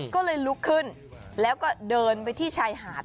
ก็เลยลุกขึ้นแล้วก็เดินไปที่ชายหาด